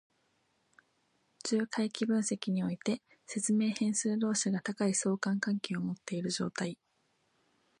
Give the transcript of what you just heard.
重回帰分析において、説明変数同士が高い相関関係を持っている状態。